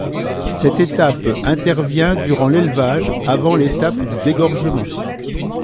Cette étape intervient durant l'élevage, avant l’étape du dégorgement.